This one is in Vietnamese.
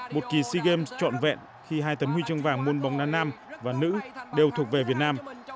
một kỳ sea games trọn vẹn khi hai tấm huy chương vàng môn bóng đá nam và nữ đều thuộc về việt nam